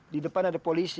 di depan ada polisi